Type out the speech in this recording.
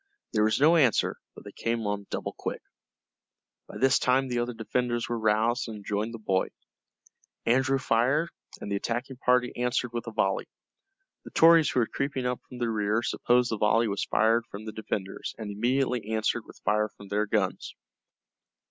There was no answer, but they came on double quick. By this time the other defenders were roused, and had joined the boy. Andrew fired, and the attacking party answered with a volley. The Tories who were creeping up from the rear supposed the volley was fired from the defenders, and immediately answered with fire from their guns.